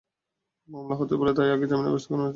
মামলা হতে পারে, তাই আগেই জামিনের ব্যবস্থা নেওয়া উচিত।